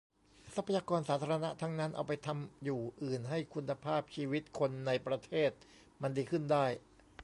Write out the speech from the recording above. ทรัพยากรสาธารณะทั้งนั้น เอาไปทำอยู่อื่นให้คุณภาพชีวิตคนในประเทศมันดีขึ้นได้